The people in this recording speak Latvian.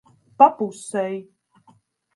Pa pusei.